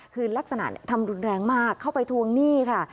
คือลักษณะทำรุนแรงมากเข้าไปทวงหนี้ค่ะ